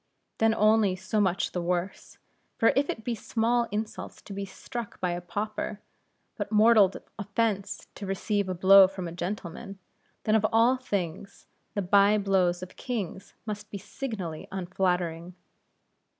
Then only so much the worse; for if it be small insult to be struck by a pauper, but mortal offense to receive a blow from a gentleman, then of all things the bye blows of kings must be signally unflattering.